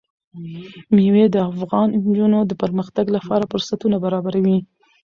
مېوې د افغان نجونو د پرمختګ لپاره فرصتونه برابروي.